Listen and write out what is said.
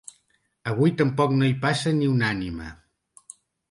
Avui tampoc no hi passa ni una ànima.